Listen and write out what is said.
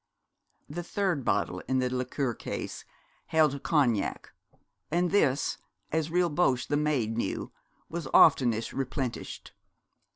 The third bottle in the liqueur case held cognac, and this, as Rilboche the maid knew, was oftenest replenished.